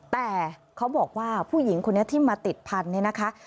แต่เขาบอกว่าผู้หญิงคนเนี่ยที่มาติดพันธุ์